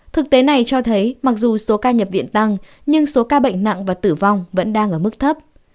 thực tế này cho thấy mặc dù số ca nhập viện tăng nhưng số ca bệnh nặng và tử vong vẫn đang ở mức thấp